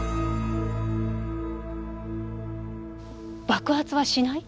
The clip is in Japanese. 爆発はしない？